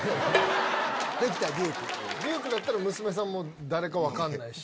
デュークだったら娘さんも誰か分かんないし。